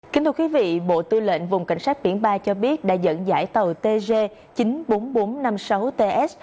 kính thưa quý vị bộ tư lệnh vùng cảnh sát biển ba cho biết đã dẫn dãi tàu tg chín mươi bốn nghìn bốn trăm năm mươi sáu ts